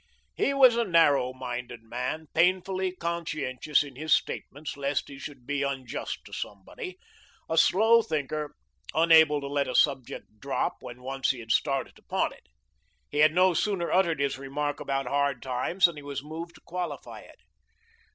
He was a narrow minded man, painfully conscientious in his statements lest he should be unjust to somebody; a slow thinker, unable to let a subject drop when once he had started upon it. He had no sooner uttered his remark about hard times than he was moved to qualify it.